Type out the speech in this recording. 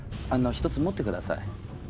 １つ持ってください。